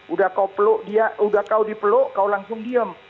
udah kau peluk dia udah kau dipeluk kau langsung diem